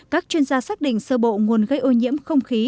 các chuyên gia xác định sơ bộ nguồn gây ô nhiễm không khí